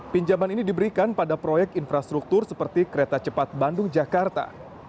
pinjaman ini diberikan pada proyek infrastruktur seperti kereta cepat bandung jakarta